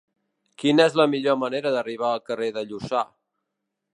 Quina és la millor manera d'arribar al carrer de Lluçà?